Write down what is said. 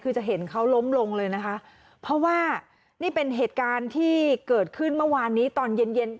คือจะเห็นเขาล้มลงเลยนะคะเพราะว่านี่เป็นเหตุการณ์ที่เกิดขึ้นเมื่อวานนี้ตอนเย็นเย็น